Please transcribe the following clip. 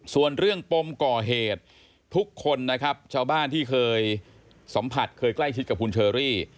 ส่วนเรื่องปมก่อเหตุทุกคนนะครับชาวบ้านที่เคยสัมผัสเคยใกล้ชิดกับคุณเชอรี่